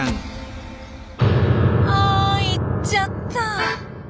あ行っちゃった。